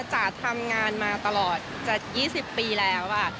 จ๋าทำงานมาตลอดจะ๒๐ปีแล้ว